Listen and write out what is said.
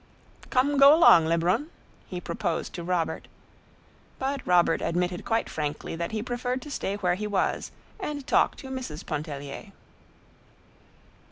"Come go along, Lebrun," he proposed to Robert. But Robert admitted quite frankly that he preferred to stay where he was and talk to Mrs. Pontellier.